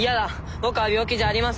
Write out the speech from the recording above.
僕は病気じゃありません！